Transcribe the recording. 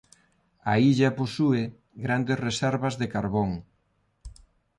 A illa posúe grandes reservas de carbón.